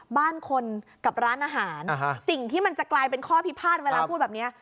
บ้านคนกับร้านอาหารสิ่งที่มันจะกลายเป็นข้อพิพาทเวลาพูดแบบนี้